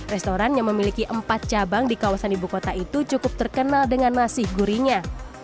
restoran yang memiliki empat cabang di kawasan ibu kota itu cukup terkenal dengan nasi gurinya